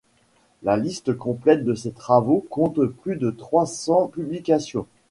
La liste complète de ses travaux comptent plus de trois cents publications.